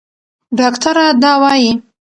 ډاکټره دا وايي.